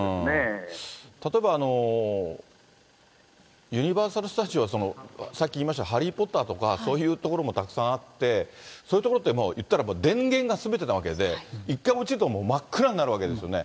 例えばユニバーサル・スタジオはさっき言いました、ハリー・ポッターとかそういうところもたくさんあって、そういう所っていったらば、電源がすべてなわけで、一回落ちると真っ暗になるわけですよね。